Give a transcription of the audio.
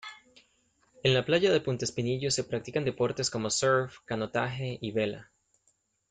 En la playa de Punta Espinillo se practican deportes como, surf, canotaje y vela.